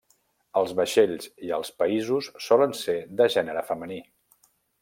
Els vaixells i els països solen ser de gènere femení.